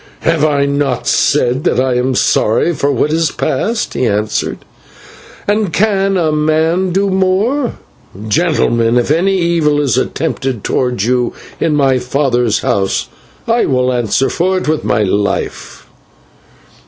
"Have I not said that I am sorry for what is past?" he answered, "and can a man do more? Gentlemen, if any evil is attempted towards you in my father's house, I will answer for it with my life."